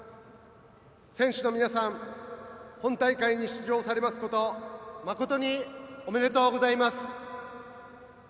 選手の皆さん本大会に出場されますこと誠におめでとうございます。